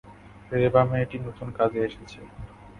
রেবা মেয়েটি নতুন কাজে এসেছে।